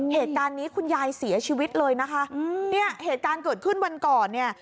เหตุการณ์นี้คุณยายเสียชีวิตเลยนะคะอืมเนี่ยเหตุการณ์เกิดขึ้นวันก่อนเนี่ย